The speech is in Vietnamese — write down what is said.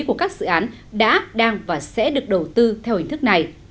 của các dự án đã đang và sẽ được đầu tư theo hình thức này